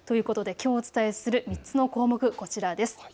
きょうお伝えする３つの項目こちらです。